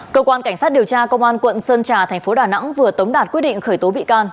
cơ quan cảnh sát điều tra công an quận sơn trà thành phố đà nẵng vừa tống đạt quyết định khởi tố bị can